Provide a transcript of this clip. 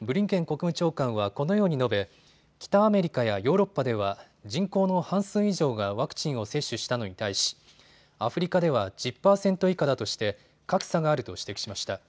ブリンケン国務長官はこのように述べ北アメリカやヨーロッパでは人口の半数以上がワクチンを接種したのに対しアフリカでは１０％以下だとして格差があると指摘しました。